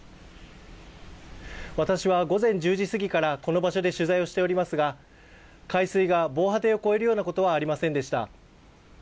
私は午前１０時過ぎからこの場所で取材をしておりますが海水が防波堤を越えるようなことはありませんでした。